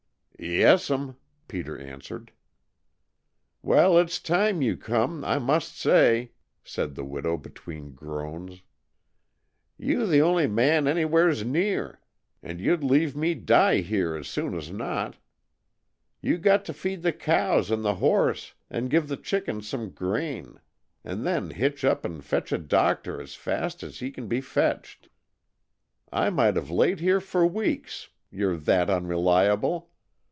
"Yes'm," Peter answered. "Well, it's time you come, I must say," said the widow, between groans. "You the only man anywheres near, and you'd leave me die here as soon as not. You got to feed the cows and the horse and give the chickens some grain and then hitch up and fetch a doctor as fast as he can be fetched. I might have laid here for weeks, you 're that unreliable.